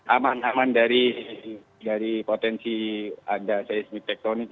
aman aman dari potensi ada seismik tektonik